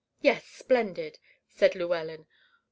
"Yes, splendid," said Llewellyn.